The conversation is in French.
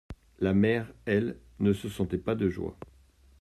La mère, elle, ne se sentait pas de joie.